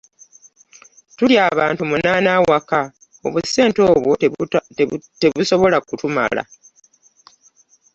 Tuli abantu munaana awaka obusente obwo tebusobola kutumala.